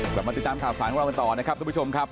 กลับมาติดตามข่าวสารของเรากันต่อนะครับทุกผู้ชมครับ